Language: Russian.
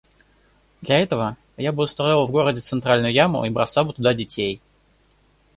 Для этого я бы устроил в городе центральную яму и бросал бы туда детей.